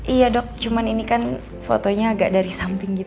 iya dok cuman ini kan fotonya agak dari samping